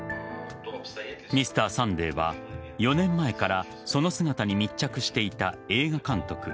「Ｍｒ．サンデー」は４年前からその姿に密着していた映画監督